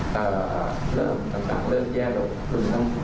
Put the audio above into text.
แต่เริ่มต่างเลิกแย่ลง